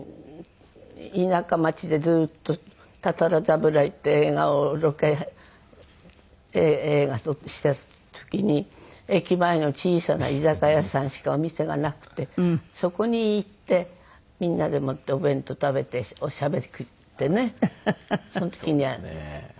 田舎町でずっと『たたら侍』って映画をロケ映画撮ったりした時に駅前の小さな居酒屋さんしかお店がなくてそこに行ってみんなでもってお弁当食べてしゃべくってね。